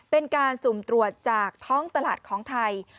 เป็นการสุ่มตรวจจากท้องตลาดของไทย